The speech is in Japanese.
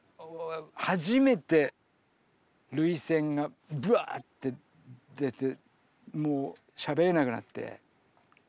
初めて涙腺がぶわって出てもうしゃべれなくなって。